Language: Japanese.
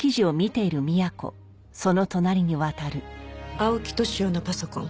青木年男のパソコン。